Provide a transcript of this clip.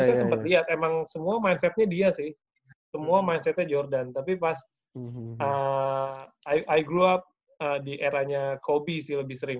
saya sempet liat emang semua mindsetnya dia sih semua mindsetnya jordan tapi pas i grew up di eranya kobe sih lebih sering